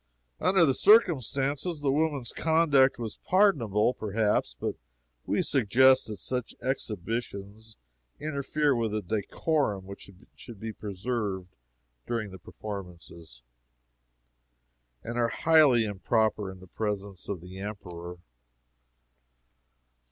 Under the circumstances the woman's conduct was pardonable, perhaps, but we suggest that such exhibitions interfere with the decorum which should be preserved during the performances, and are highly improper in the presence of the Emperor.